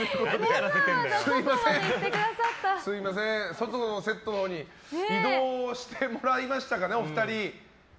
外のセットのほうに移動をしてもらいましたかね、お二人。